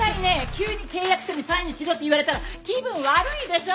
急に契約書にサインしろって言われたら気分悪いでしょ？